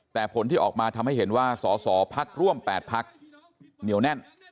แต่ผลที่ออกมาทำให้เห็นว่าสอสอพักร่วม๘พักเหนียวแน่น